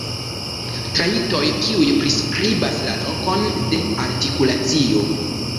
Trajtoj kiuj priskribas la lokon de artikulacio.